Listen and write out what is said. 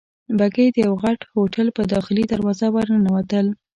بګۍ د یوه غټ هوټل په داخلي دروازه ورننوتل.